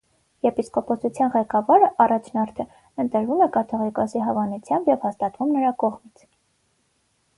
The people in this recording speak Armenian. Եպիսկոպոսության ղեկավարը՝ առաջնորդը, ընտրվում է կաթողիկոսի հավանությամբ և հաստատվում նրա կողմից։